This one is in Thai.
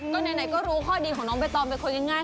ก็ไหนก็รู้ข้อดีของน้องใบตองเป็นคนง่าย